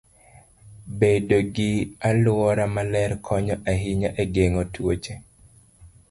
Bedo gi alwora maler konyo ahinya e geng'o tuoche.